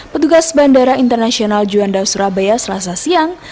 petugas bandara internasional juanda surabaya selasa siang